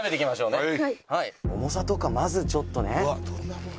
「重さとかまずちょっとね」